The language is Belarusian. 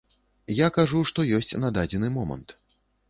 Я кажу, што ёсць на дадзены момант.